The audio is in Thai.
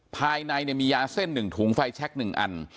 ภายในมียาเส้น๑ถุงไฟแช็ค๑อัน